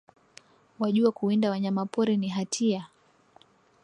Wajua kuwinda wanyama pori ni hatia?